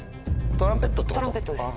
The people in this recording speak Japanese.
トランペットです。